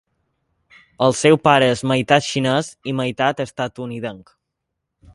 El seu pare és meitat xinès i meitat estatunidenc.